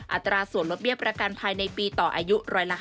อัตราส่วนลดเบี้ยประกันภัยในปีต่ออายุ๑๕